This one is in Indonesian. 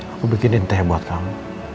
aku bikinin teh buat kamu